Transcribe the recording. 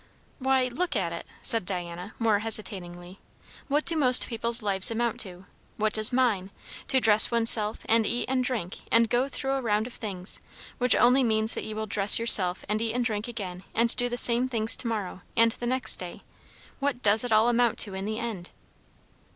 "Why, look at it," said Diana, more hesitatingly; "what do most people's lives amount to? what does mine? To dress oneself, and eat and drink, and go through a round of things, which only mean that you will dress yourself and eat and drink again and do the same things to morrow, and the next day; what does it all amount to in the end?"